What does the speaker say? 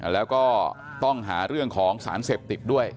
แล้วก็ต้องหาเรื่องของสารเสพติดด้วย